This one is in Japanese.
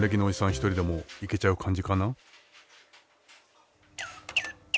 一人でも行けちゃう感じかな？